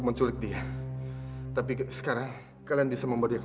koinsir aja sebabnya saya ada pasang tangan perutnya